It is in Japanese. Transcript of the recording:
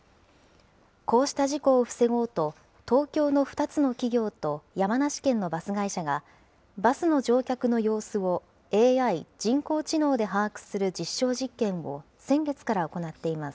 こうした事故を防ごうと、東京の２つの企業と山梨県のバス会社が、バスの乗客の様子をＡＩ・人工知能で把握する実証実験を、先月から行っています。